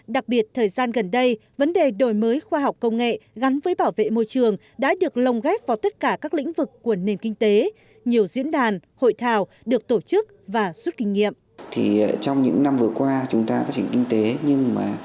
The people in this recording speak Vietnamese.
đặc biệt thời gian gần đây vấn đề đổi mới khoa học công nghệ gắn với bảo vệ môi trường đã được lồng ghép vào tất cả các lĩnh vực của nền kinh tế nhiều diễn đàn hội thảo được tổ chức và rút kinh nghiệm